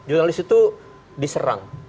jurnalis itu diserang